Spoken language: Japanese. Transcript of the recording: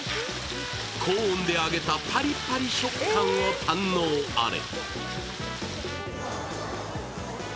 高温で揚げたパリパリ食感を堪能あれ。